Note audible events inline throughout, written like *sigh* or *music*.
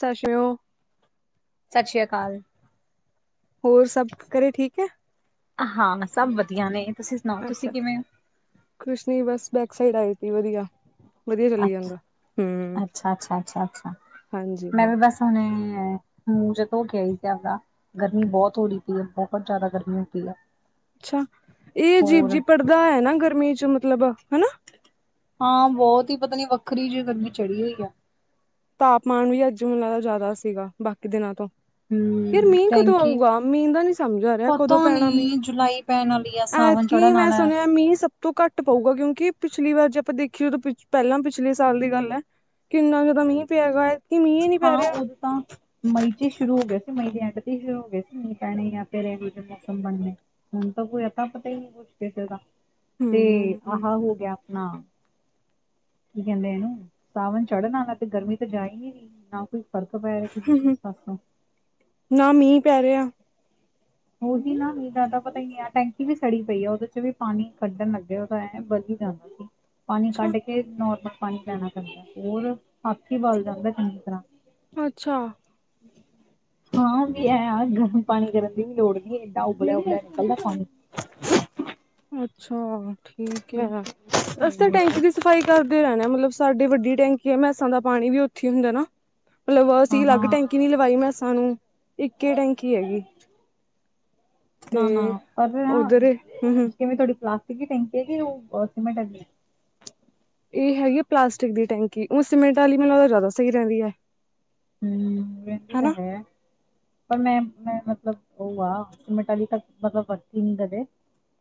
ਸੱਸਓ ਸਤਿ ਸ਼੍ਰੀ ਅਕਾਲ। ਹੋਰ, ਸਭ ਕਰੇ ਠੀਕ ਹੈ? ਹਾਂ। ਸਭ ਵਧੀਆ ਨੇ, ਤੁਸੀਂ ਸੁਣਾਓ, ਤੁਸੀਂ ਅੱਛਾ ਕਿਵੇਂ ਹੋ? ਕੁਛ ਨੀ ਬਸ ਬੈਕ ਸਾਈਡ ਆਏ ਤੀ ਵਧੀਆ। ਵਧੀਆ ਚੱਲੀ ਜਾਂਦਾ ਹਮ ਅ-ਅੱਛਾ-ਅੱਛਾ-ਅੱਛਾ- ਅੱਛਾ ਹਾਂਜੀ ''ਮੈਂ ਹਾਂ ਵੀ ਬਸ ਹੁਣੇ, ''ਮੈ ਮੁੂੰਜੇ ਧੋਕੇ ਗਿਆ ਹੀ ਸੀ, ਆਪਦਾ ਗਰਮੀ ਬਹੁਤ ਹੋ ਰਹੀ, ਪ ਹੈ ਬਹੁਤ ਜ਼ਿਆਦਾ ਗਰਮੀ ਹੋਦੀ ਹੈ ਅੱਛਾ। ਇਹ ਅਜੀਬ ਹੋਰ ਜੀ ਪੜ੍ਹਦਾ ਹੈ ਨਾ, ਗਰਮੀ'ਚ ਮਤਲਬ ਹ ਨਾ ਹਾਂ। ਬਹੁਤ ਹੀ ਪਤਾ ਨੀ, ਵੱਖਰੀ ਜੀ ਗਰਮੀ ਚੜੀ ਹੋਈ ਆ। ਤਾਪਮਾਨ ਵੀ ਅੱਜ ਮੈਨੂੰ ਲੱਗਦਾ ਜਿਆਦਾ ਸੀਗਾ ਬਾਕੀ ਦਿਨਾਂ ਤੋਂ। ਹੂੰ ਯਾਰ ਮੀਂਹ ਕਦੋਂ ਆਊਗਾ ਮੀਂਹ ਨੀ ਸਮਝ ਆ ਰਿਹਾ ਪਤਾ ਕਦੋਂ ਪੈਣਾ ਮੀਹ ਨੀ ਜੁਲਾਈ ਪੈਣ ਵਾਲੀ ਆ ਸਾਵਣ ਐਤਕੀ ਚੜ੍ਹਨ ਮੈਂ ਵਾਲਾ ਹੈ। ਸੁਣਿਆ। ਤਾਂ ਮੀਂਹ ਸਭ ਤੋਂ ਘੱਟ ਪਊਗਾ ਕਿਉਂਕਿ। ਪਿਛਲੀ ਵਾਰ ਜੇ ਆਪਾਂ ਦੇਖੀਏ ਤਾਂ ਪਹਿਲਾਂ ਪਿਛਲੇ ਸਾਲ ਦੀ ਗੱਲ ਹੈ। ਕਿ ਇੰਨਾ ਜ਼ਿਆਦਾ ਮੀਹ ਪਿਆਗਾ। ਹਾਂ ਉਦੋਂ ਤਾਂ ਮਈ ਚ ਹੀ ਸ਼ੁਰੂ ਹੋ ਗਿਆ ਸੀ ਮਈ ਦੇ ਡ ਸ਼ੁਰ ਹੋ ਗਏ ਸੀ ਨੀਹ ਪੈਣੇ ਜਾਂ ਫ ਵੀ ਮੌਸਮ ਬਣਨ ਹੁਣ ਤਾਂ ਕੋਈ ਤਾਂ ਪਤਾ ਹੀ ਨਹੀਂ ਕੁੱਛ ਕਿਸੇ ਦਾ। ਤੇ ਆਹ ਹਮ ਹੋ ਗਿਆ ਆਪਣਾ। ਕੀ ਕਹਿੰਦੇ ਇਹਨੂੰ ਸਾਵਣ ਚੜ੍ਹਨਾ ਨਾ ਤੇ ਗਰਮੀ ਤਾਂ ਜਾਈ ਨੀ ਨਾ ਕੋਈ। ਫ਼ਰਕ ਪੈ ਰਿਹਾ ਕਿਸੇ ਚੀਜ਼ ਪਾਸੋਂ ਨਾ ਮੀਂਹ ਪੈ ਰਿਹਾ। ਉਹੀ ਨਾ ਵੀ ਜ਼ਿਆਦਾ ਪਤਾ ਹੀ ਆ ਟੈਂਕੀ ਵੀ ਸੜੀ ਪਈ ਆ ਉਹਦੇ ਚ ਵੀ ਪਾਣੀ ਕੱਢਣ ਲੱਗਿਆ ਉਹਦਾ ਹੈ ਵਧੀਆ। ਜਾਣਾ ਸੀ। ਪਾਣੀ ਅੱਛਾ ਕੱਢ ਕੇ, ਨੋਰਮਲ ਪਾਣੀ ਪੈਣਾ ਪੈਂਦਾ ਹੋਰ, ਹੱਥ ਹੀ ਬਲ ਜਾਂਦਾ ਚੰਗੀ ਤਰ੍ਹਾਂ ਅੱਛਾ। ਹਾਂ, ਵੀ ਹੈ ਗਰਮ ਪਾਣੀ ਕਰਨ ਵੀ ਲੋੜ ਨਹੀਂ ਏਦਾਂ ਉਬਲਿਆ- ਉਬਲਿਆ ਨਿਕਲਦਾ ਪਾਣੀ। ਅੱਛਾ! ਠੀਕ ਹੈ, ਅਸੀ ਤਾਂ, ਟੈਂਕੀ ਦੀ ਸਫ਼ਾਈ ਕਰਦੇ ਰਹਿਨੇ ਆਂ ਮਤਲਬ ਸਾਡੇ ਵੱਡੀ ਟੈਂਕੀ ਹੈ, ਮ੍ਹੈਸਾਂ ਦਾ ਪਾਣੀ ਵੀ ਉੱਥੇ ਹੁੰਦਾ ਨਾ, ਮਤਲਬ ਹਾਂ ਅਸੀਂ ਹਾਂ ਅਲੱਗ ਹਾਂ ਟੈਂਕੀ ਨੀ ਲਵਾਈ ਮ੍ਹੈਸ ਸਾਨੂੰ ਇੱਕੇ ਟੈਂਕੀ ਹੈਗੀ। ਤੇ ਨਾ- ਨਾ ਪਰ ਨਾ ਉੱਧਰ ਹੂੰ-ਹੂੰ ਕਿਵੇਂ ਤੁਹਾਡੀ ਕਲਾਸ- ਕ ਟੈਂਕੀ ਕਿ ਸੀਮੈਂਟ ਆ। ਇਹ ਹੈਗੀ ਪਲਾਸਟਿਕ ਦੀ ਟੈਂਕੀ ਉਹ ਸਿਮਟ ਵਾਲੀ ਮੈਨੂੰ ਲੱਗਦਾ ਜਿਆਦਾ ਸਹੀ ਰਹਿੰਦੀ। ਪਰ ਹਨਾ ਮੈਂ, ਪਰ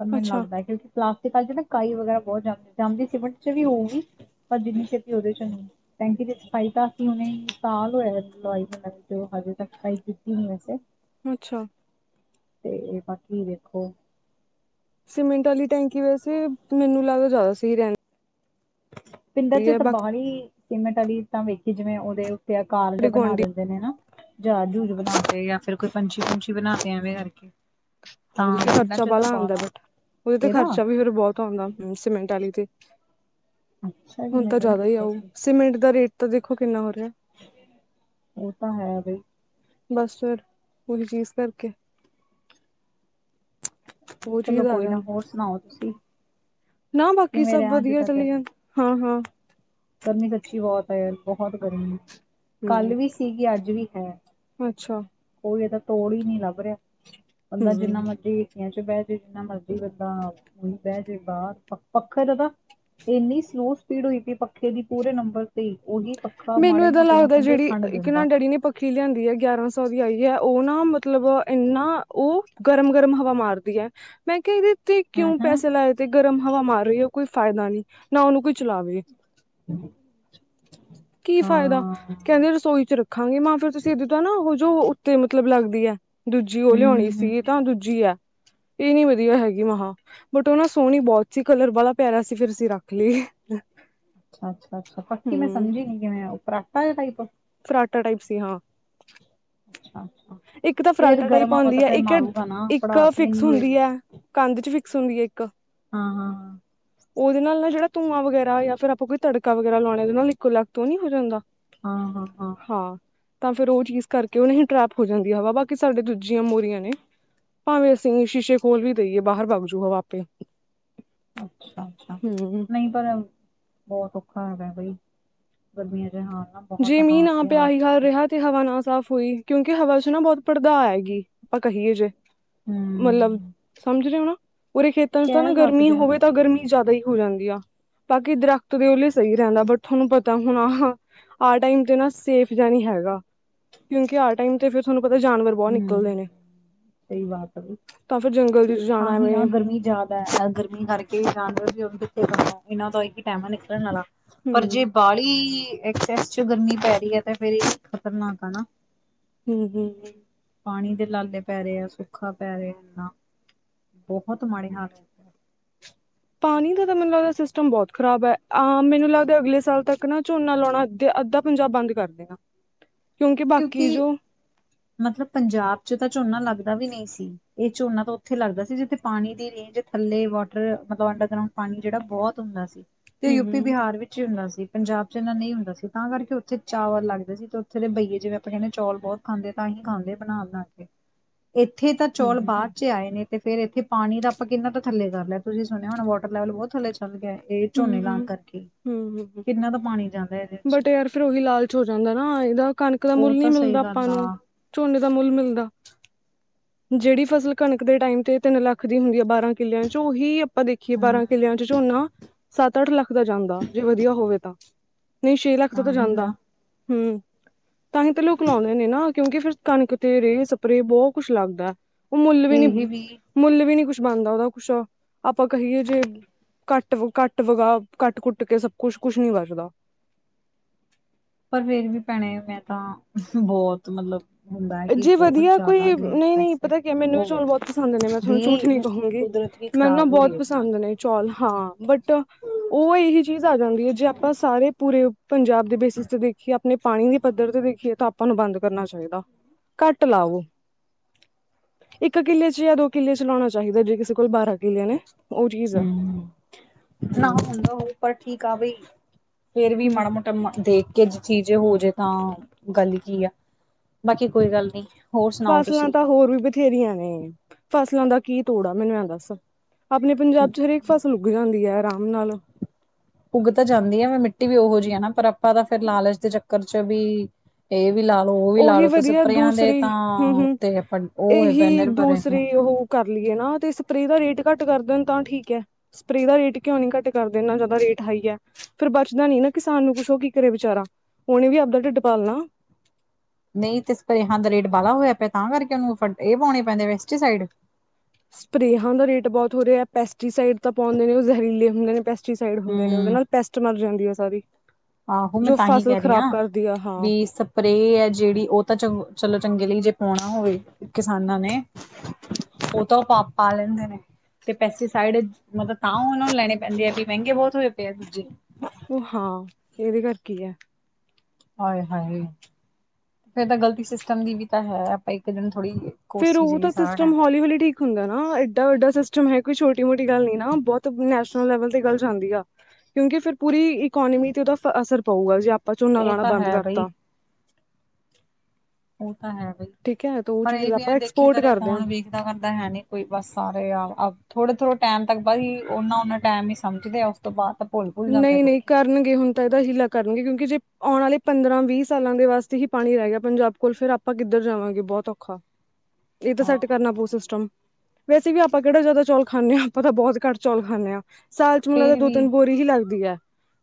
ਮੈਨੂੰ ਲੱਗਦਾ ਕਿਉਂਕਿ ਕਲਾਸ। ਕਾਈ ਵਗੈਰਾ ਬਹੁਤ ਜਾਂਦੇ ਸੀ। ਬਟ ਵੀ ਹੋਊਗੀ ਜਿੰਨੀ ਛੇਤੀ ਉਹਦੇ ਚ ਨੀ ਟੈਂਕੀ ਦੇ ਸਫਾਈ ਤਾਂ ਅਸੀਂ ਉਹਨੇ ਸਾਲ ਸਬਸਕ੍ਰਾਈਬ ਕੀਤੀ ਨਹੀਂ ਵੈਸੇ ਅੱਛਾ। ਤੇ ਬਾਕੀ ਦੇਖੋ। ਸੀਮੈਂਟ ਵਾਲੀ ਟੈਂਕੀ ਵੈਸੇ ਮੈਨੂੰ ਲੱਗਦਾ ਜਿਆਦਾ ਸਹੀ ਰਹਿਣ। ਪਿੰਡਾਂ ਚ ਤਾਂ ਬਹੁਤ ਹੀ ਸਿਮਟ ਵਾਲੀ ਇੱਦਾਂ ਵੇਖੇ ਜਿਵੇਂ ਉਹਦੇ। ਤੇ ਕਾਲਜ ਸਾਡੇ ਬਣਾ ਗੁਆਂਢੀ ਦਿੰਦੇ ਨੇ ਨਾ। ਜਹਾਜ ਜੂਜ ਬਣਾਤੇ ਫਿਰ ਕੋਈ ਪੰਛੀ ਪੁੰਚੀ ਬਣਾ ਕੇ ਐਵੇਂ ਕਰਕੇ। ਤਾਂ ਉਦੇ ਤੇ ਪਿੰਡਾਂ ਖਰਚਾ 'ਚ ਤਾਂ ਬਾਲਾ ਆਉਂਦਾ ਬਾਹਲਾ ਬਟ ਉਹਦੇ ਤੇ ਇਹਦਾ ਖਰਚਾ ਵੀ ਫਿਰ ਬਹੁਤ ਆਉਂਦਾ ਸੀਮੈਂਟ ਵਾਲੀ। ਅੱਛਾ ਜੀ ਹੁਣ ਤਾਂ ਮੈਨੂੰ ਨੀ ਜਿਆਦਾ ਹੀ ਪਤਾ ਆਊ ਸੀ ਸੀਮੈਂਟ ਦਾ ਰੇਟ ਤਾਂ ਦੇਖੋ ਕਿੰਨਾ ਹੋਰ। ਉਹ ਤਾਂ ਹੈ। ਬਸ ਫਿਰ ਪੂਰੀ ਚੀਜ਼ ਕਰਕੇ। ਉਹ ਚੀਜ਼ ਚਲੋ ਆ ਕੋਈ ਨਾ ਜਾਂਦੀ ਹੋਰ ਸੁਣਾਓ ਤੁਸੀਂ। ਨਾ ਬਾਕੀ ਕਿਵੇਂ ਸਭ ਰਿਹਾ ਅੱਜ ਵਧੀਆ ਦਾ ਦਿਨ ਚਲੀ ਜਾ ਹਾਂ ਹਾਂ ਗਰਮੀ ਸੱਚੀ ਬਹੁਤ ਹ ਬਹੁਤ ਗਰਮੀ ਕੱਲ ਵੀ ਹਮ ਸੀਗੀ ਅੱਜ ਵੀ। ਅੱਛਾ ਤਾ ਤੋੜ ਹੀ ਨਹੀਂ ਲੱਭ ਰਿਹਾ ਬੰਦਾ ਜਿੰਨਾ ਹਮ ਮਰਜੀ। ਵੈਸੇ ਜਿੰਨਾ ਮਰਜੀ ਬੰਦਾ ਉਹੀ ਬਹਿ ਜੇ ਪੱਖੇ ਦੇ ਤਾਂ ਇਨੀ ਸਲੋ ਸਪੀਡ ਹੋਈ ਪਈ ਪੱਖੇ ਦੀ ਪੂਰੇ ਨੰਬਰ ਤੇ ਹੀ ਉਹੀ ਪੱਖਾ ਮੈਨੂੰ ਮਾੜੇ ਇਦਾ ਮੋਟੇ ਲੱਗਦਾ ਮੌਸਮ ਚ ਠੰਡ ਜਿਹੜੀ ਕਿਨਾ ਦਿੰਦਾ ਡੈਡੀ ਨੇ ਪੱਖੀ ਲਿਆਂਦੀ ਹ। ਆਈ ਹ ਉਹ ਨਾ ਮਤਲਬ ਇਨਾ ਉਹ ਗਰਮ ਗਰਮ ਹਵਾ ਮਾਰਦੀ ਹ ਮੈਂ ਕਿਹਾ ਇਹਦੇ। ਤੇ ਹਾਂ ਕਿਉਂ ਹਾਂ ਪੈਸੇ ਲਾਏ ਤੇ ਗਰਮ ਹਵਾ ਮਾਰ ਰਹੀ ਹ। ਕੋਈ ਫਾਇਦਾ ਨਹੀਂ ਨਾ ਉਹਨੂੰ ਕੋਈ ਚਲਾਵੇ। ਗੁੰਮ ਵਿਚ। ਕੀ ਫਾਇਦਾ ਕਹਿੰਦੇ ਰਸੋਈ ਚ ਰੱਖਾਂਗੇ ਮੈਂ ਕੀ ਫਾਇਦਾ ਕਹਿੰਦੇ ਰਸੋਈ ਚ ਰੱਖਾਂਗੇ ਜੋ ਉੱਤੇ ਮਤਲਬ ਲੱਗਦੀ ਹ ਦੂਜੀ ਉਹ ਹਮ ਲਿਆਉਣੀ ਹਮ ਸੀ ਹਮ ਤਾਂ ਦੂਜੀ ਆ। ਇਹ ਨਹੀਂ ਵਧੀਆ ਹੈਗੀ ਮਹਾ ਬਟ ਉਹਨਾਂ ਸੋਹਣੀ ਬਹੁਤ ਸੀ ਕਲਰ ਵਾਲਾ ਪਿਆਰਾ। ਸਿਰਫ ਅਸੀਂ ਰੱਖ ਲਈ। ਅੱਛਾ ਅੱਛਾ ਅੱਛਾ ਪੱਕੀ ਮੈਂ ਸਮਝੀ ਨੀ ਕਿਵੇਂ ਉਹ ਫਰਾਟਾ ਜਾ ਟਾਈਪ। ਫਰਾਟਾ ਟਾਈਪ ਸੀ ਹਾਂ। ਅੱਛਾ ਅੱਛਾ। ਇੱਕ ਤਾਂ ਯਾਰ ਫਰਾਟਾ ਟਾਈਪ ਗਰਮ ਆਵਾ ਆਉਂਦੀ ਤਾਂ ਹੈ ਫਿਰ ਇੱਕ ਮਾਰੂਗਾ ਨਾ ਇੱਕ ਪੜਾਸ ਹੀ ਫਿਕਸ ਇੰਨੀ ਹੋਈ ਹੁੰਦੀ ਹੈ ਕੰਧ ਚ ਫਿਕਸ ਹੁੰਦੀ ਹੈ ਇੱਕ ਹਾਂ-ਹਾਂ। ਉਹਦੇ ਨਾਲ ਜਿਹੜਾ ਧੂਆਂ ਵਗੈਰਾ ਜਾਂ ਫਿਰ ਆਪਾਂ ਕੋਈ ਤੜਕਾ ਵਗੈਰਾ ਲਾਉਣੇ ਦੇ ਨਾਲ ਇੱਕੋ ਲੱਤ ਤੋਂ ਨਹੀਂ ਹੋ ਜਾਂਦਾ। ਹਾਂ-ਹਾਂ। ਹਾਂ ਤਾਂ ਫਿਰ ਉਹ ਚੀਜ਼ ਕਰਕੇ ਉਹਨੇ ਟਰੈਪ ਹੋ ਜਾਂਦੀ ਹਵਾ ਬਾਕੀ ਸਾਡੇ ਦੂਜੀਆਂ ਮੋਰੀਆਂ ਨੇ। ਭਾਵੇਂ ਅਸੀਂ ਸ਼ੀਸ਼ੇ ਕੋਲ ਵੀ ਰਈਏ ਬਾਹਰ ਵਗਜੂ ਹਵਾ ਆਪੇ। ਅੱਛਾ-ਅੱਛਾ, ਹੂੰ। ਨਹੀਂ ਪਰ ਬਹੁਤ ਔਖਾ ਹੈਗਾ ਬਈ। ਵਧੀਆ। ਜੇ ਮੀਨ ਆ ਪਿਆ ਹੀ ਹਾਲ ਰਿਹਾ ਤੇ ਹਵਾ ਨਾ ਸਾਫ। ਹੋਈ ਕਿਉਂਕਿ ਹਵਾ ਚ ਨਾ ਬਹੁਤ ਪੜਦਾ ਹੈਗੀ ਆਪਾਂ ਕਹੀਏ। ਮਤਲਬ ਹਮ ਸਮਝ ਰਹੇ ਹੋ ਨਾ। ਪੂਰੇ ਖੇਤਰ ਚ ਤਾਂ ਨਾ ਕਹਿ ਗਰਮੀ ਸਕਦੇ ਹਾਂ ਹੋਵੇ ਤਾਂ ਗਰਮੀ ਜਿਆਦਾ ਹੀ ਹੋ ਜਾਂਦੀ ਆ ਬਾਕੀ ਦਰਖਤ ਦੇ ਉਲੇ ਸਹੀ ਰਹਿੰਦਾ ਬਟ ਤੁਹਾਨੂੰ ਪਤਾ ਹੁਣ। ਆਹ ਟਾਈਮ ਤੇ ਨਾ ਸੇਫ ਜਾਨੀ ਹੈਗਾ। ਕਿਉਂਕਿ ਆ ਟਾਈਮ ਤੇ ਫਿਰ ਤੁਹਾਨੂੰ। ਅਗਰ ਬਹੁਤ ਨਿਕਲਦੇ ਨੇ। ਕਈ ਵਾਰ ਤਾਂ ਫਿਰ ਜੰਗਲ 'ਚ ਤਾਂ ਜਾਣਾ ਹੀ ਐਵੇਂ ਨਾ, ਗਰਮੀ ਜਿਆਦਾ ਗਰਮੀ ਕਰਕੇ ਜਾਨਵਰ ਵੀ ਇਹਨਾਂ ਦਾ ਇੱਕ ਟਾਈਮ ਹੈ, ਨਿਕਲਣ ਵਾਲਾ ਪਰ ਜੇ ਹੂੰ। ਬਾਹਲੀ ਐਕਸਸ ਚ ਗਰਮੀ ਪੈ ਰਹੀ ਹੈ, ਤੇ ਫੇਿਰ ਇਹ ਖ਼ਤਰਨਾਕ ਆ ਨਾ। ਹੂੰ-ਹੂੰ। ਪਾਣੀ ਦੇ ਲਾਲੇ ਪੈ ਰਹੇ ਆ ਸੁਖਾ ਪੈ ਰਿਹਾ ਇਨਾ। ਬਹੁਤ ਮਾੜੇ ਹਾਲ। ਪਾਣੀ ਦਾ ਤਾਂ ਮੈਨੂੰ ਲੱਗਦਾ ਸਿਸਟਮ ਬਹੁਤ ਖ਼ਰਾਬ ਹੈ। ਅਹ! ਮੈਨੂੰ ਲੱਗਦਾ ਅਗਲੇ ਸਾਲ ਤੱਕ ਨਾ ਝੂਨਾ ਲਾਉਣਾ ਅੱਧੇ ਅ ਅੱਧਾ ਪੰਜਾਬ ਬੰਦ ਕਰਦੇਨਾ। ਕਿਉਂਕਿ, ਮਤਲਬ ਪੰਜਾਬ ਚ ਤਾਂ ਝੋਨਾ ਲੱਗ ਵੀ ਨਹੀਂ ਸੀ, ਇਹ ਝੋਨਾ ਤਾਂ ਉੱਥੇ ਲੱਗਦਾ ਸੀ ਜਿੱਥੇ ਪਾਣੀ ਦੀ ਰੇਂਜ ਥੱਲੇ ਵਾਟਰ ਮਤਲਬ ਅੰਡਰਗਰਾਉਂਡ ਪਾਣੀ ਜਿਹੜਾ ਬਹੁਤ ਹੁੰਦਾ ਸੀ, ਤੇ ਉਹ ਹਮ ਯੂਪੀ-ਬਿਹਾਰ ਵਿੱਚ ਹੀ ਹੁੰਦਾ ਸੀ। ਪੰਜਾਬ ਚ ਇੰਨਾ ਨਹੀਂ ਹੁੰਦਾ ਸੀ, ਤਾਂ ਕਰਕੇ ਉੱਥੇ ਚਾਵਲ ਲੱਗਦਾ ਸੀ, ਤੇ ਉੱਥੇ ਦੇ ਬਹੀਏ ਜਿਵੇਂ, ਆਪਾਂ ਕਹਿੰਦੇ ਚੌਲ ਬਹੁਤ ਖਾਂਦੇ ਤਾਂ ਅਸੀਂ ਖਾਂਦੇ ਬਣਾ- ਬਣਾ ਕੇ। ਇੱਥੇ ਤਾਂ ਚੌਲ ਹਮ ਬਾਅਦ ਚ ਆਏ ਨੇ। ਤੇ ਫੇਰ ਇੱਥੇ ਪਾਣੀ ਦਾ ਆਪਾਂ ਕਿੰਨਾ ਤਾਂ ਥਲੇ ਕਰ ਲਿਆ। ਤੁਸੀ ਸੁਣਿਆ ਹੁਣਾ ਵਾਟਰ ਲੈਵਲ ਬਹੁਤ ਥੱਲੇ ਚੱਲ ਗਿਆ ਹੈ। ਇਹ ਝੋਨੇ ਲਾ ਕਰਕੇ। ਹੂੰ- ਹੂੰ- ਹੂੰ, ਕਿੰਨਾ ਤਾਂ ਪਾਣੀ ਜਾਂਦਾ ਇਹਦੇ 'ਚ ਬਟ ਯਾਰ ਫੇਿਰ ਉਹੀ ਲਾਲਚ ਹੋ ਜਾਂਦਾ ਨਾ ਇਹਦਾ ਕਣਕ ਕੱਣਕ ਦਾ ਉਹ ਮੁੱਲ ਤਾਂ ਨਹੀਂ ਸਹੀ ਮਿਲਦਾ ਆਪਾਂ ਗੱਲ ਆ ਨੂੰ, ਝੋਨੇ ਦਾ ਮੁੱਲ ਮਿਲਦਾ। ਜਿਹੜੀ ਫਸਲ ਕਣਕ ਦੇ ਟਾਈਮ ਤੇ ਤਿੰਨ ਲੱਖ ਦੀ ਹੁੰਦੀ ਹੈ ਬਾਰਾਂ ਕਿੱਲਿਆਂ ਚ ਉਹੀ ਆਪਾਂ ਦੇਖੀਏ, ਹੂੰ ਬਾਰਾਂ ਕਿੱਲਿਆਂ ਚ ਝੋਨਾ ਸੱਤ ਅੱਠ ਲੱਖ ਦਾ ਜਾਂਦਾ, ਜੇ ਵਧੀਆ ਹੋਵੇ ਤਾਂ। ਨਹੀਂ ਛੇ ਲੱਖ ਤੋਂ ਤਾਂ ਹੀ ਜਾਂਦਾ ਨਾ ਹੂੰ। ਤਾਂਹੀ ਤਾਂ ਲੋਕ ਲਾਉਂਦੇ ਨੇ ਨਾ, ਕਿਉਂਕਿ ਫਿਰ ਕਣਕ ਤੇ ਰੇਹ ਸਪਰੇ ਬਹੁਤ ਕੁੱਝ ਲੱਗਦਾ ਹੈ। ਉਹ ਮੁੱਲ ਵੀ ਨੀ ਇਹ ਵੀ ਮੁੱਲ ਵੀ ਨੀ ਕੁਛ ਬਣਦਾ ਉਹਦਾ ਕੁਛ ਆਪਾਂ ਕਹੀਏ, ਜੇ ਘੱਟ ਘੱਟ ਕੱਟ ਵਗਾ ਕੱਟ- ਕੁੱਟ ਕੇ ਸਭ ਕੁਛ -ਕੁਛ ਨੀ ਵਚਦਾ ਪਰ ਫੇਰ ਵੀ ਭੈਣੇ ਮੈਂ ਤਾਂ ਬਹੁਤ ਮਤਲਬ ਹੁੰਦਾ ਹੈ ਕਿ ਜੀ ਬਹੁਤ ਵਧੀਆ ਕੋਈ ਜ਼ਿਆਦਾ ਗਏ ਆ ਨਹੀਂ- ਨਹੀਂ, ਪੈਸੇ। ਪਤਾ ਕੀ ਮੈਨੂੰ ਉਹ ਚੋਲ ਬਹੁਤ ਪਸੰਦ ਨੇ, ਮੈਂ ਤੁਹਾਨੂੰ ਦੀ ਝੂਠ ਨੀ ਕਹੂੰਗੀ। ਕੁਦਰਤ ਵੀ ਮੈਨੂੰ ਨਾ ਖ਼ਰਾਬ ਹੋ ਰਹੀ ਬਹੁਤ ਹੈ ਉਹਦੇ ਨਾਲ। ਪਸੰਦ ਨੇ ਚੌਲ ਹਾਂ, ਬਟ ਉਹ ਇਹੀ ਚੀਜ਼ ਆ ਜਾਂਦੀ ਹੈ ਜੇ ਆਪਾਂ ਸਾਰੇ ਪੂਰੇ ਪੰਜਾਬ ਦੇ ਬੇਸਿਸ ਤੇ ਦੇਖੀਏ, ਆਪਣੇ ਪਾਣੀ ਦੇ ਪੱਧਰ ਤੇ ਦੇਖੀਏ, ਤਾਂ ਆਪਾਂ ਨੂੰ ਬੰਦ ਕਰਨਾ ਚਾਹੀਦਾ। ਘੱਟ ਲਾਵੋ। ਇੱਕ ਕਿੱਲੇ ਚ ਜਾਂ ਦੋ ਕਿੱਲੇ ਚ ਲਾਉਣਾ ਚਾਹੀਦਾ । ਜੇ ਕਿਸੇ ਕੋਲ ਬਾਰਾਂ ਕਿੱਲੇ ਨੇ ਉਹ ਚੀਜ਼ ਆ ਹੁਂ। ਨਾ ਹੂੰ ਹੁੰਦਾ ਉਹ ਪਰ ਠੀਕ ਆ ਬਈ ਫੇਰ ਵੀ ਹੂੰ ਮਾੜਾ ਮੋਟਾ ਮ ਦੇਖ ਕਿ ਜ ਚੀ ਜੇ ਹੋਜੇ ਤਾਂ, ਗੱਲ ਕੀ ਆ। ਬਾਕੀ ਕੋਈ ਗੱਲ ਨੀ। ਹੋਰ ਸੁਣਾਓ ਫਸਲਾਂ ਤੁਸੀਂ? ਤਾਂ ਹੋਰ ਵੀ ਬਥੇਰੀਆਂ ਨੇ। ਫਸਲਾਂ ਦਾ ਕੀ ਤੋੜਾ, ਮੈਨੂੰ ਐ ਦੱਸ। ਆਪਣੇ ਪੰਜਾਬ ਚ ਹਰੇਕ ਫ਼ਸਲ ਉਗ ਜਾਂਦੀ ਹੈ, ਆਰਾਮ ਨਾਲ। ਉੱਗ ਤਾਂ ਜਾਂਦੀ ਆ। ਮਿੱਟੀ ਵੀ ਉਹੋ ਜਿਹੀ ਆ ਨਾ ਪਰ ਆਪਾਂ ਤਾਂ ਫੇਿਰ ਲਾਲਚ ਦੇ ਚੱਕਰ ਚ ਵੀ ਇਹ ਵੀ ਲਾ ਲੋ ਉਹ ਵੀ ਲਾ ਉਹੀ ਲਓ, ਤੇ ਵਧੀਆ ਸਪਰਿਆਂ ਦੇ ਦੂਸਰੀ ਤਾਂ ਹੂੰ ਹੂੰ ਉਤੇ ਆਪਾਂ ਉਹ *unintelligible* ਇਹੀ ਨਰ ਭਰੇ ਨੇ। ਦੂਸਰੀ ਉਹ ਕਰ ਲਈਏ ਨਾ ਤੇ ਸਪਰੇਅ ਦਾ ਰੇਟ ਘੱਟ ਕਰਦੇਨ। ਤਾਂ ਠੀਕ ਹੈ। ਸਪਰੇ ਦਾ ਰੇਟ ਕਿਉਂ ਨੀ ਘੱਟ ਕਰਦੇ। ਇਨਾ ਜ਼ਿਆਦਾ ਰੇਟ ਹਾਈ ਹੈ। ਫੇਰ ਬਚਦਾ ਨੀ ਨਾ ਕਿਸਾਨ ਨੂੰ ਕੁਛ। ਓ ਕੀ ਕਰੇ ਵਿਚਾਰਾ। ਉਹਨੇ ਵੀ ਆਪਦਾ ਢਿੱਡ ਪਾਲਣਾ। ਨਹੀਂ ਤੇ ਸਪਰੇਹਾਂ ਦਾ ਰੇਟ ਬਾਹਾ ਹੋਇਆ ਪਿਆ, ਤਾਂ ਕਰਕੇ ਉਹਨੂੰ ਫ ਇਹ ਪਾਉਣੇ ਪੈਂਦੇ ਵੈਸਟੀਸਾਈਡ। ਸਪਰੇਹਾਂ ਦਾ ਰੇਟ ਬਹੁਤ ਹੋ ਰਿਹਾ ਹੈ ਪੈਸਟੀਸਾਈਡ ਤਾਂ ਪਾਉਂਦੇ ਨੇ ਉਹ ਜ਼ਹਿਰੀਲੇ ਹੁੰਦੇ ਨੇ। ਦੂਸਰੀ ਸਾਈਡ ਹੁੰਦੇ ਨੇ, ਉਹਦੇ ਹੂੰ ਨਾਲ ਪੈਸਟ ਮਰ ਜਾਂਦੀ ਆ ਸਾਰੀ। ਆਹੋ, ਮੈਂ ਜੋ ਤਾਂਹੀ ਫਸਲ ਕਹਿ ਰਹੀ ਖ਼ਰਾਬ ਹਾਂ। ਕਰਦੀ ਆ ਹਾਂ ਵੀ ਸਪਰੇਅ ਹੈ, ਜਿਹੜੀ ਉਹ ਤਾਂ ਚੰ ਚਲੋ ਚੰਗੇ ਲਈ ਜੇ ਪਾਉਣਾ ਹੋਵੇ ਕਿਸਾਨਾਂ ਨੇ। *unintelligible* ਉਹ ਤਾਂ ਉਹ ਪਾ ਪਾ ਲੈਂਦੇ ਨੇ। ਤੇ ਪੈਸਟੀਸਾਈਡ ਮਤਲਬ ਤਾਂ ਉਹਨਾ ਨੂੰ ਲੈਣੇ ਪੈਂਦੇ ਆ ਵੀ ਮਹਿੰਗੇ ਬਹੁਤ ਹੋਏ ਪਏ ਆ ਦੂਜੇ। ਉਹ ਹਾਂ ਇਹਦੇ ਕਰ ਕੀ ਹੈ। ਹਾਏ-ਹਾਏ। ਫੇਰ ਤਾਂ ਗ਼ਲਤੀ ਸਿਸਟਮ ਦੀ ਵੀ ਤਾਂ ਹੈ ਆਪਾਂ ਇੱਕ ਦਿਨ- ਥੋੜ੍ਹੀ ਫੇਰ ਕੋਸੀ ਉਹ ਜਾਈਏ ਤਾਂ ਸਾਰਾ ਸਿਸਟਮ ਟਾਈਮ ਹੌਲੀ-ਹੌਲੀ ਠੀਕ ਹੁੰਦਾ ਹੈ ਨਾ ਏਡਾ ਵਡਾ ਸਿਸਟਮ ਹੈ ਕੋਈ ਛੋ ਛੋਟੀ-ਮੋਟੀ ਗੱਲ ਨੀ ਨਾ। ਬਹੁਤ ਨੈਸ਼ਨਲ ਲੈਵਲ ਤੇ ਗੱਲ ਜਾਂਦੀ ਆ। ਕਿਉਂਕਿ ਫਿਰ ਪੂਰੀ ਇਕੋਨਮੀ ਤੇ ਉਹਦਾ ਅਸਰ ਪਊਗਾ ਜੇ ਆਪਾਂ ਝੋਨਾ ਉਹ ਲਾਣਾ ਤਾਂ ਬੰਦ ਹੈ ਬਈ ਕਰਤਾ। *inaudible* ਹਾਂ ਹੌ ਵੀ। ਠੀਕ ਹੈ ਤਾਂ ਉਹ ਪਰ ਇਹ ਚੀਜ਼ ਵੀ ਹੈ ਆਪਾਂ ਦੇਖੇ ਐਕਸਪੋਰਟ ਕਰੇ ਕਰਦੇ ਹਾਂ ਕੌਣ ਵੇਖਦਾ-ਕਰਦਾ ਹੈ ਨੀ ਕੋਈ ਬਸ ਸਾਰੇ ਆ ਅ ਥੋੜੇ-ਥੋੜ੍ਹੇ ਟਾਈਮ ਤੱਕ ਬਈ ਉਹਨਾ-ਉਹਨਾ ਟਾਈਮ ਹੀ ਸਮਝਦੇ ਆ। ਉਸ ਤੋਂ ਬਾਅਦ ਭੁੱਲ ਭੁੱਲ ਜਾਂਦੇ ਨਹੀਂ-ਨਹੀਂ ਲੋਕੀ ਕਰਨਗੇ ਹੁਣ ਤਾਂ ਇਹਦਾ ਹੀਲਾ ਕਰਨਗੇ ਕਿਉਂਕਿ ਜੇ ਆਉਣ ਵਾਲੇ ਪੰਦਰਾਂ ਵੀਹ ਸਾਲਾਂ ਦੇ ਵਾਸਤੇ ਹੀ ਪਾਣੀ ਰਹਿ ਗਿਆ ਪੰਜਾਬ ਕੋਲ ਫਿਰ ਆਪਾਂ ਕਿੱਧਰ ਜਾਵਾਂਗੇ, ਬਹੁਤ ਔਖਾ। ਇਹ ਤਾਂ ਹਾਂ ਸੈੱਟ ਕਰਨਾ ਪਊ ਸਿਸਟਮ। ਵੈਸੇ ਵੀ ਆਪਾਂ ਕਿਹੜਾ ਜਿਆਦਾ ਚੌਲ ਖਾਂਦੇ ਹਾਂ ਆਪਾਂ ਤਾਂ ਬਹੁਤ ਘਟ ਚੌਲ ਖਾਂਦੇ ਹਾ ਸਾਲ਼ ਚ ਮੈਨੂੰ ਲੱਗਦਾ ਫੇਰ ਵੀ ਦੋ-ਤਿੰਨ। ਹਲੱਦੀ ਹੈ।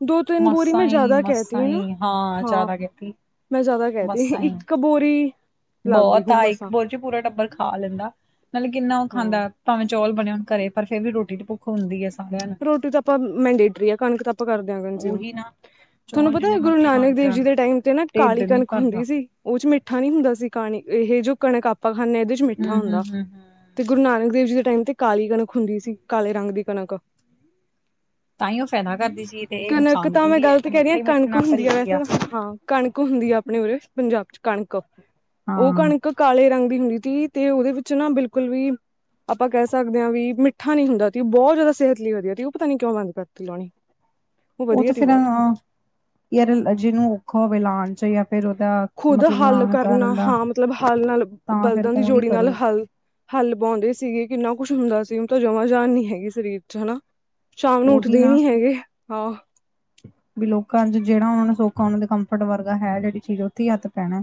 ਦੋ-ਤਿੰਨ ਬੋਰੀ ਮੈਂ ਮਸਾਂ ਹੀ ਜ਼ਿਆਦਾ ਕਹਿਤੀ ਮਸਾਂ ਹ ਨਾ? ਹੀ ਹਾਂ। ਜ਼ਿਆਦਾ ਕੀਤੀ ਮੈਂ ਜ਼ਿਆਦਾ ਕਹਿਦੀ। ਮਸਾਂ ਹੀ ਇੱਕ ਬੋਰੀ ਲੱਗਦੀ ਬਹੁਤ ਹੁ ਆ ਇੱਕ ਮਸਾਂ ਬੋਰੀ ਚ ਪੂਰਾ ਟੱਬਰ ਖਾ ਲੈਂਦਾ ਮਤਲਬ ਕਿੰਨਾ ਉਹ ਹਾਂ ਖਾਂਦਾ। ਭਾਵੇਂ ਚੌਲ ਬਣੇ ਹੋਣ ਘਰੇ ਪਰ ਫੇਰ ਵੀ ਰੋਟੀ ਤੇ ਭੁੱਖ ਹੁੰਦੀ ਹੈ। ਸਾਰਿਆਂ ਨੂੰ ਰੋਟੀ ਤਾਂ ਆਪਾਂ ਮੈਂਡੇਟਰੀ ਆ, ਕਣਕ ਤਾਂ ਆਪਾਂ ਕਰਦੇ ਆਂ ਕਨਜ਼ਊਮ। ਉਹੀ ਨਾ ਤੁਹਾਨੂੰ ਚੌਲ ਪਤਾ ਜਿੰਨੇ ਗੁਰੂ ਮਰਜੀ ਬਣ ਨਾਨਕ ਦੇਵ ਜਾਣ ਜੀ ਦੇ ਟਾਈਮ ਤੇ ਨਾ ਢਿੱਡ ਕਾਲੀ ਨੀ ਕਣਕ ਭਰਦਾ ਹੁੰਦੀ ਸੀ ਉਹ ਚ ਮਿੱਠ ਮਿੱਠਾ ਨੀ ਹੁੰਦਾ ਸੀ ਕਾਣੀ। ਇਹ ਜੋ ਕਣਕ ਆਪਾਂ ਖਾਂਦੇ ਹਾਂ ਇਹਦੇ ਚ ਹੂੰ ਮਿੱਠਾ ਹੂੰ ਹੂੰ ਹੁੰਦਾ ਹੂੰ ਤੇ ਗੁਰੂ ਨਾਨਕ ਦੇਵ ਜੀ ਦੇ ਟਾਈਮ ਤੇ ਕਾਲੀ ਕਣਕ ਹੁੰਦੀ ਸੀ ਕਾਲੇ ਰੰਗ ਦੀ ਕਣਕ। ਤਾਂ ਹੀ ਉਹ ਫਾਇਦਾ ਕਰਦੀ ਸੀ ਤੇ *inaudible* ਇਹ ਕਨਕ ਨੁਕਸਾਨ ਤਾਂ ਮੈਂ ਦਿੰਦੀ ਹੈ ਗਲਤ ਤੇ ਕਹਿ ਰਹੀ ਮਿੱਠਾ ਹਾਂ ਹੀ ਮਿੱਠੇ ਕਣਕ ਨਾਲ ਭਰੀ ਹੁੰਦੀ ਆ ਗਈ ਵੈਸੇ ਤਾਂ। ਹਾਂ, ਕਣਕ ਹੁੰਦੀ ਆਪਣੇ ਉਰੇ ਪੰਜਾਬ ਚ ਕਣਕ ਉਹ ਹਾਂ ਕਣਕ ਕਾਲੇ ਰੰਗ ਦੀ ਹੁੰਦੀ ਤੀ ਤੇ ਉਹਦੇ ਵਿੱਚ ਨਾ ਬਿਲਕੁਲ ਵੀ ਆਪਾਂ ਕਹਿ ਸਕਦੇ ਹਾਂ ਵੀ ਮਿੱਠਾ ਨੀ ਹੁੰਦਾ ਸੀ ਬਹੁਤ ਜ਼ਿਆਦਾ ਸਿਹਤ ਲੀ ਵਧੀਆ। ਤ ਉਹ ਪਤਾ ਨੀ ਕਿਉਂ ਬੰਦ ਕਰਤੀ ਲਾਉਣੀ। ਉਹ ਵਧੀਆ ਤੇ ਸੀ ਫਿਰ ਬਹੁਤ ਅ ਆਂ, ਯਾਰ ਜਿਹਨੂੰ ਔਖਾ ਹੋਵੇ ਲਉਣ। ਖੁਦ ਹੱਲ ਕਰਨਾ, ਕਰਨ ਦਾ ਹਾਂ ਮਤਲਬ ਹੱਲ ਨਾਲ ਤਾਂ ਫਿਰ ਬਲਦਾਂ ਦੀ ਕੌਣ ਹੀ ਜੋੜੀ ਨਾਲ ਕਰੂ ਹੱਲ ਹੱਲ ਬਵਾਉਂਦੇ ਸੀਗੇ। ਕਿੰਨਾ ਕੁਛ ਹੁੰਦਾ ਸੀ ਉਹ ਤਾਂ ਜਮਾਂ ਜਾਣ ਨੀ ਹੈਗੀ ਸਰੀਰ ਚ ਹਨਾ ਸ਼ਾਮ ਨੂੰ ਉਹੀ ਉੱਠਦੇ ਹੀ ਨਾ ਨੀ ਹੈਗੇ ਹਾਂ ਵੀ ਲੋਕਾਂ ਚ ਜਿਹੜਾ ਉਹ ਨੇ ਸੌਖਾ ਉਹਨਾ ਦੇ ਕੰਫਰਟ ਵਰਗਾ ਹੈ ਜਿਹੜੀ ਚੀਜ਼ ਉੱਥੇ ਹੀ ਹੱਥ ਪੈਣਾ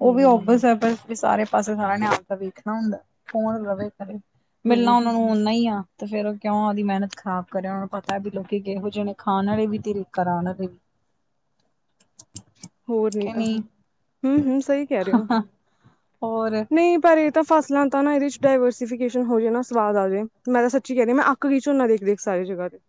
ਉਹ ਵੀ ਹਮ ਓਬਸ ਬਸ ਵੀ ਸਾਰੇ ਪਾਸੇ ਸਾਰਿਆਂ ਨੇ ਆਪਣਾ ਵੇਖਣਾ ਹੁੰਦਾ ਕੌਣ ਰਵੇ ਘਰੇ ਮਿਲਣਾ ਹਮ ਉਹਨਾ ਨੂੰ ਓਨਾ ਹੀ ਆ ਤੇ ਫਿਰ ਉਹ ਕਿਉਂ ਉਹਦੀ ਮਿਹਨਤ ਖਰਾਬ ਕਰਿਆ ਉਹਨਾਂ ਨੂੰ ਪਤਾ ਵੀ ਲੋਕੀ ਕਿਹੋ ਜਿਹੇ ਨੇ ਖਾਣ ਵਾਲੇ ਵੀ ਤ੍ਰਕਰਾਨ ਰਵ ਹੋਰ ਨੀ ਤਾਂ ਹਮ ਹਮ ਸਹੀ ਕਹਿ ਰਹੇ ਹੋ ਹੋਰ ਨਹੀਂ ਪਰ ਇਹ ਤਾਂ ਫਸਲਾਂ ਤਾਂ ਨਾ ਇਹਦੇ ਡਾਇਵਰਸੀਫਿਕੇ ਹੋ ਜਾਵੇ ਨਾ ਸਵਾਦ ਆ ਜਾਵੇ ਮੈਂ ਤਾਂ ਸੱਚੀ ਕਹਿੰਦੀ ਹ ਮੈਂ ਅੱਕ ਗੀ ਝੋਨਾ ਦੇਖ ਦੇਖ ਸਾਰੇ ਜਗ੍ਹਾ ਤੇ *inaudible*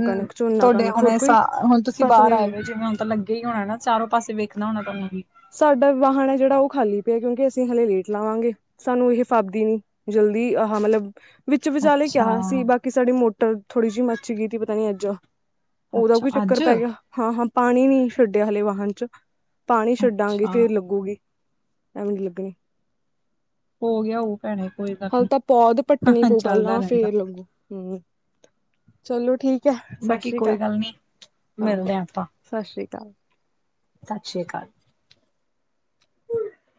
ਹਮ ਕਣਕ ਝੋਨਾ ਤੁਹਾਡੇ ਕਣਕ ਹੋਰ ਹੁਣੇ ਕੋਈ ਹੁਣ ਤੁਸੀਂ ਫਸਲ ਬਾਹਰ ਹੀ ਨੀ ਆਏ ਜਿਵੇਂ ਹੁਣ ਤਾਂ ਲੱਗੇ ਹੀ ਹੋਣਾ ਨਾ ਚਾਰੋ ਪਾਸੇ ਵੇਖਣਾ *unintelligible* ਸਾਡਾ ਵਾਹਨ ਹੈ ਜਿਹੜਾ ਉਹ ਖਾਲੀ ਪਿਆ ਕਿਉਂਕਿ ਅਸੀਂ ਹਲੇ ਲੇਟ ਲਾਵਾਂਗੇ। ਸਾਨੂੰ ਇਹ ਫਾਪਦੀ ਨੀ ਜਲ ਵੀ ਆ ਮਤਲਬ ਵਿੱਚ-ਵਿਚਾਲੇ ਅੱਛਾ ਕਿਹਾ ਸੀ। ਬਾਕੀ ਸਾਡੀ ਮੋਟਰ ਥੋੜੀ ਜਿਹੀ ਮੱਚ ਗਈ ਸੀ ਪਤਾ ਨੀ ਅੱਜ। ਉਹਦਾ ਅੱਛਾ ਵੀ ਚੱਕਰ ਅੱਜ ਪੈ ਗਿਆ। ਹਾਂ-ਹਾਂ, ਪਾਣੀ ਨੀ ਛੱਡਿਆ ਹਾਲੇ ਵਾਹਨ ਚ। ਪਾਣੀ ਛੱਡਾਂਗੇ। ਅੱਛਾ ਫੇਰ ਲੱਗੂਗੀ। ਐਂਵੇ ਨੀ ਲੱਗਣੀ। ਹੋ ਗਿਆ ਉਹ ਭੈਣੇ ਕੋਈ ਗੱਲ ਹਾਲ ਤਾਂ ਪੌਧ ਪੱਟਣੀ ਨੀ ਪਊ ਚੱਲਦਾ ਪਹਿਲਾਂ। ਰਹਿੰਦਾ ਫੇਰ ਲੱਗੂ। ਹੁਂ। ਚਲੋ ਠੀਕ ਹੈ। ਸਤਿ ਬਾਕੀ ਸ੍ਰੀ ਕੋਈ ਅਕਾਲ। ਗੱਲ ਨੀ ਹਾਂ, ਮਿਲਦੇ ਆਪਾਂ ਸਤਿ ਸ੍ਰੀ ਅਕਾਲ ਤਾਂ ਸਤਿ ਸ਼੍ਰੀ ਅਕਾਲ।